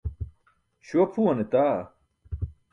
Śuwa phuwan eta.